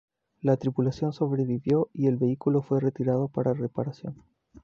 La tripulación sobrevivió y el vehículo fue retirado para reparación.